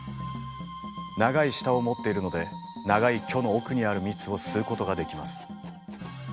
長い舌を持っているので長い距の奥にある蜜を吸うことができます。